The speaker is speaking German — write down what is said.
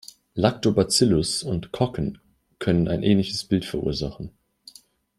Lactobacillus und Kokken können ein ähnliches Bild verursachen.